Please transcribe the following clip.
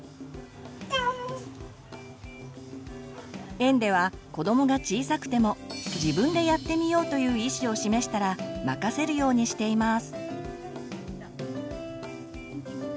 園では子どもが小さくてもという意思を示したら任せるようにしています。